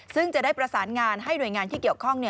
ซึ่งจะได้ประสานงานให้หน่วยงานที่เกี่ยวข้อง